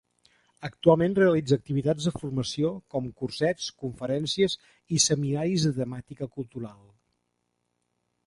Actualment realitza activitats de formació com cursets, conferències, i seminaris de temàtica cultural.